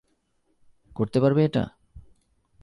করতে পারবে এটা?